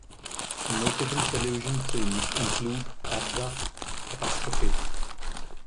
Notable television films include Abra-Catastrophe!